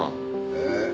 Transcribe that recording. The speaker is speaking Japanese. えっ？